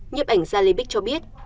nhếp ảnh ra lê bích cho biết